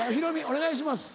お願いします。